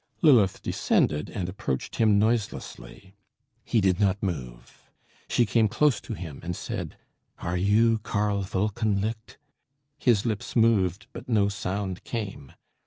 Lilith descended, and approached him noiselessly. He did not move. She came close to him and said "Are you Karl Wolkenlicht?" His lips moved, but no sound came.